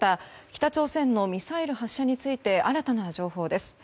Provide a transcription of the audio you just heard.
北朝鮮のミサイル発射について新たな情報です。